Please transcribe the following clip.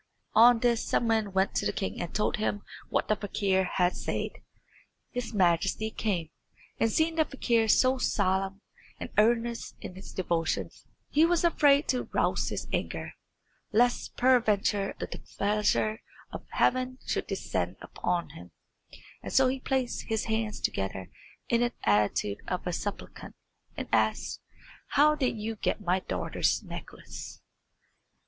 On this some men went to the king and told him what the fakir had said. His Majesty came, and seeing the fakir so solemn and earnest in his devotions, he was afraid to rouse his anger, lest peradventure the displeasure of Heaven should descend on him, and so he placed his hands together in the attitude of a supplicant, and asked, "How did you get my daughter's necklace?"